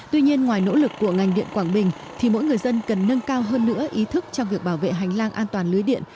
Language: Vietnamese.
tuy nhiên ngoài nỗ lực của ngành điện quảng bình thì mỗi người dân cần nâng cao hơn nữa ý thức trong việc bảo vệ hành lang an toàn lưới điện